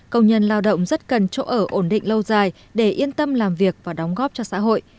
công nhân lao động rất cần chỗ ở ổn định lâu dài để yên tâm làm việc và đóng góp cho xã hội